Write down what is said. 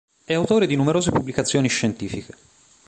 È autore di numerose pubblicazioni scientifiche